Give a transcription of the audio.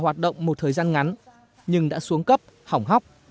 hoạt động một thời gian ngắn nhưng đã xuống cấp hỏng hóc